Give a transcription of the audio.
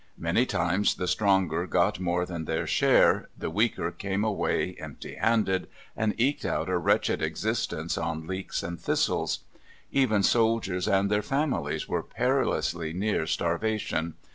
Many times the stronger got more than their share, the weaker came away empty handed, and eked out a wretched existence on leeks and thistles. Even soldiers and their families were perilously near starvation.